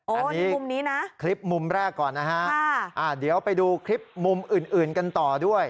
อันนี้มุมนี้นะคลิปมุมแรกก่อนนะฮะเดี๋ยวไปดูคลิปมุมอื่นกันต่อด้วย